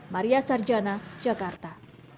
maria sarjana jakarta